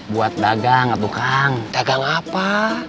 buat dagang tukang dagang apa